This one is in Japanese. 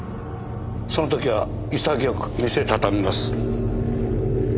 その時は潔く店たたみます。